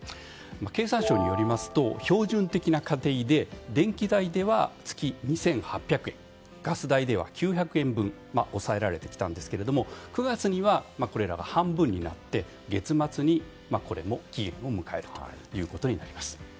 経産省によりますと標準的な家庭で電気代では月２８００円ガス代では９００円分抑えられてきましたが９月にはこれらが半分になって月末に、これも期限を迎えることになります。